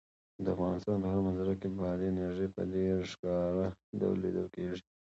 د افغانستان په هره منظره کې بادي انرژي په ډېر ښکاره ډول لیدل کېږي.